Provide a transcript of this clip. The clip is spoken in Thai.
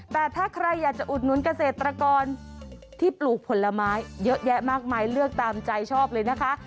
แต่ถ้าใครอยากจะอุดหนุนเกษตรกรที่ปลูกผลไม้เยอะแยะมากมายเลือกตามใจชอบเลยนะคะ